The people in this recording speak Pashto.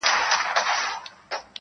ورور د وجدان اور کي سوځي,